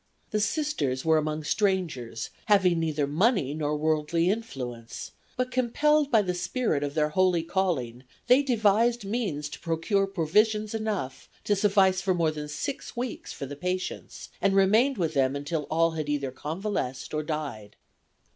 The Sisters were among strangers, having neither money nor worldly influence, but, compelled by the spirit of their holy calling, they devised means to procure provisions enough to suffice for more than six weeks for the patients and remained with them until all had either convalesced or died.